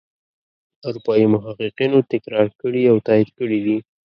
اروپايي محققینو تکرار کړي او تایید کړي دي.